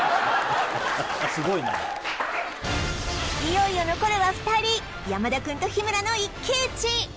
すごいないよいよ残るは２人山田くんと日村の一騎討ち